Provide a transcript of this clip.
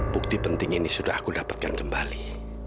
bukti penting ini sudah aku dapatkan kembali